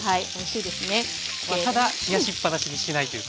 ただ冷やしっ放しにしないというか。